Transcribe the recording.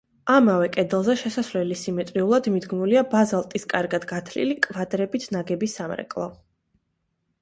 ამავე კედელზე, შესასვლელის სიმეტრიულად მიდგმულია ბაზალტის კარგად გათლილი კვადრებით ნაგები სამრეკლო.